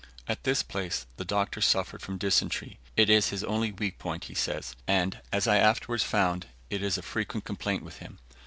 At this place the Doctor suffered from dysentery it is his only weak point, he says; and, as I afterwards found, it is a frequent complaint with him.